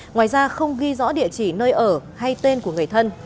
ngoài ra không ghi rõ địa chỉ nơi ở hay tên của người thân